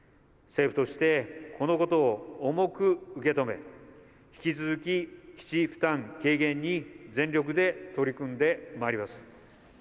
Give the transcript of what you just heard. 政府として、このことを重く受け止め、引き続き基地負担軽減に全力で取り組んでまいります。